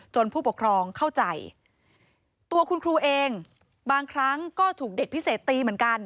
ผู้ปกครองเข้าใจตัวคุณครูเองบางครั้งก็ถูกเด็กพิเศษตีเหมือนกัน